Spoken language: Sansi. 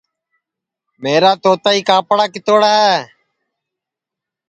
میرا توتائی کاپڑا کِتوڑ ہے